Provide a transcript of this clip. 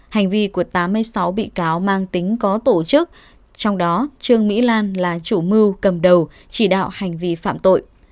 hành vi của tám mươi sáu bị cáo mang tính có tổ chức trong đó trương mỹ lan là chủ mưu cầm đầu chỉ đạo hành vi phạm tội